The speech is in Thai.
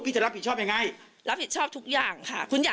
พี่จะรับผิดชอบอย่างไร